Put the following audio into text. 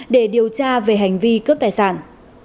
để điều tra về hành vi cướp tài sản